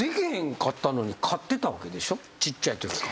ちっちゃいときから。